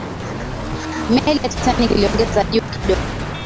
meli ya titanic iliongezeka juu kidogo